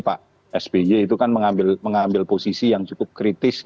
pak sby itu kan mengambil posisi yang cukup kritis